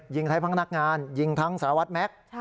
ยิงไทยภักดิ์นักงานยิงทั้งสหวัสดิ์แม็กซ์